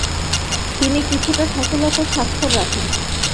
তিনি কিছুটা সফলতার স্বাক্ষর রাখেন।